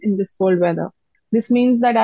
yang cukup biasa di hujan sejuk ini